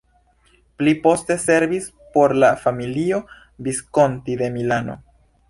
Li poste servis por la familio Visconti de Milano.